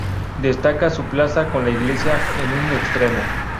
Destaca su plaza con la iglesia en un extremo.